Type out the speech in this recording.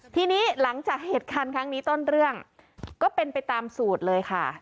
ทีนี้หลังจากเหตุการณ์ครั้งนี้ต้นเรื่องก็เป็นไปตามสูตรเลยค่ะ